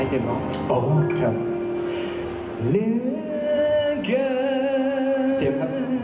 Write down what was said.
เจมส์ครับ